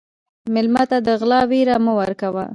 مېلمه ته د غلا وېره مه ورکوه.